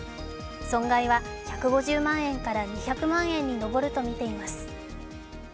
損害は１５０万円から２００万円に上るとみています。